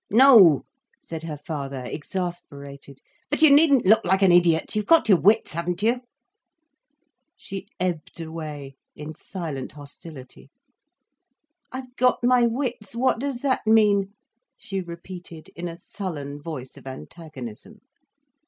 "No," said her father, exasperated. "But you needn't look like an idiot. You've got your wits, haven't you?" She ebbed away in silent hostility. "I've got my wits, what does that mean?" she repeated, in a sullen voice of antagonism.